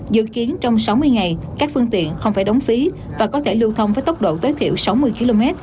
dự kiến trong sáu mươi ngày các phương tiện không phải đóng phí và có thể lưu thông với tốc độ tối thiểu sáu mươi km